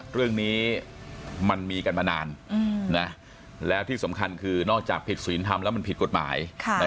เรื่องนี้มันมีกันมานานแล้วที่สำคัญคือนอกจากผิดศีลธรรมแล้วมันผิดกฎหมาย